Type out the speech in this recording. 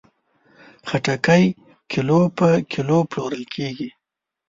خټکی کیلو په کیلو پلورل کېږي.